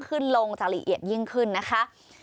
ขึ้นลงจะละเอียดยิ่งขึ้นนะคะ